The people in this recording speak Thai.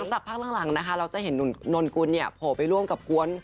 จากภาพอื่นหลังเราจะเห็นนุ่มนกุลโผล่ไปร่วมกับหกวน